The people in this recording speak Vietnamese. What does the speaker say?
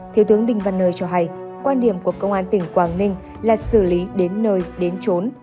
thiếu tướng đinh văn nơi cho hay quan điểm của công an tỉnh quảng ninh là xử lý đến nơi đến trốn